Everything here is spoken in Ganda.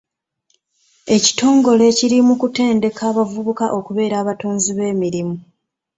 Ekitongole kiri mu kutendeka abavubuka okubeera abatonzi b'emirimu .